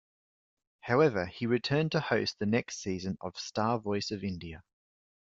However, he returned to host the next season of "Star Voice of India".